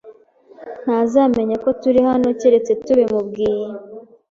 ntazamenya ko turi hano keretse tubimubwiye.